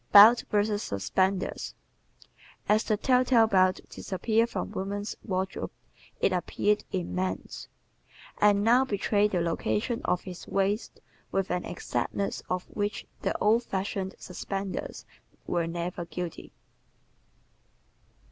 Belts vs. Suspenders ¶ As the tell tale belt disappeared from woman's wardrobe it appeared in man's, and now betrays the location of his waist with an exactness of which the old fashioned suspenders were never guilty.